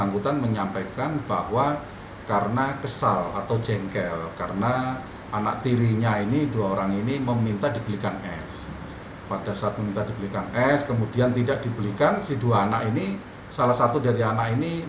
kita cari bapak baru aja